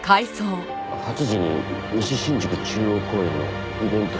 ８時に西新宿中央公園のイベント広場で。